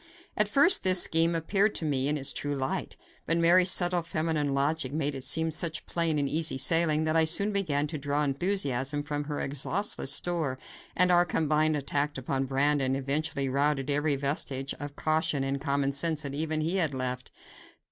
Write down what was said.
At first this scheme appeared to me in its true light, but Mary's subtle feminine logic made it seem such plain and easy sailing that I soon began to draw enthusiasm from her exhaustless store, and our combined attack upon Brandon eventually routed every vestige of caution and common sense that even he had left.